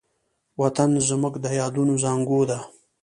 وطن زموږ د یادونو زانګو ده.